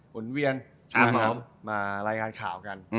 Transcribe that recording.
หนเวียนมารายงานข่าวกัน